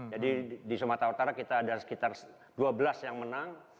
jadi di sumatera utara kita ada sekitar dua belas yang menang